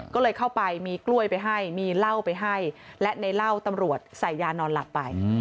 ก็เลยเข้าไปมีกล้วยไปให้มีเหล้าไปให้และในเหล้าตำรวจใส่ยานอนหลับไป